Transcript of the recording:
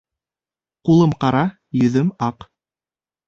Ҡулым ҡара, йөҙөм аҡ.